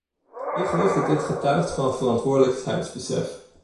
Ik geloof dat dit getuigt van verantwoordelijkheidsbesef.